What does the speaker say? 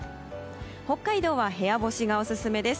北海道は部屋干しがオススメです。